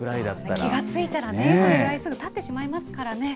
気が付いたらね、それぐらいすぐたってしまいますからね。